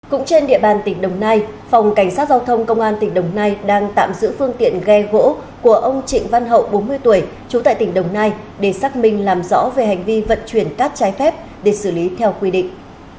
cũng trên địa bàn tỉnh đồng nai phòng cảnh sát giao thông công an tỉnh đồng nai đang tạm giữ phương tiện ghe gỗ của ông trịnh văn hậu bốn mươi tuổi trú tại tỉnh đồng nai để xác minh làm rõ về hành vi vận chuyển cát trái phép để xử lý theo quy định